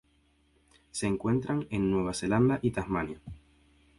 Se encuentran en Nueva Zelanda y Tasmania.